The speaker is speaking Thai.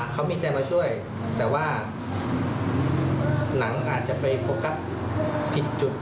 เขามีใจมาช่วยแต่ว่าหนังอาจจะไปโฟกัสผิดจุด